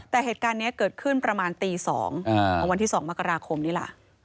แต่เหตุการณ์นี้เกิดขึ้นประมาณตี๒ของวันที่๒มกราคมนี่แหละ